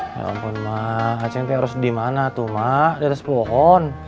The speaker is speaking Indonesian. ya ampun ma aja nanti harus dimana tuh ma di atas pohon